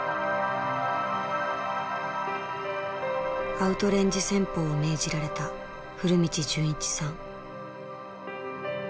アウトレンジ戦法を命じられた古道循一さん。